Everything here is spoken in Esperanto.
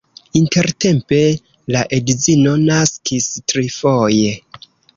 Intertempe la edzino naskis trifoje.